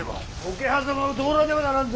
桶狭間を通らねばならんぞ。